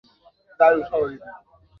আমার ট্রাকে একটা শটগান আছে।